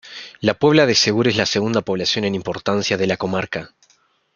La Puebla de Segur es la segunda población en importancia de la comarca.